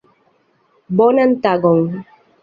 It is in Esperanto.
Bonan tagon.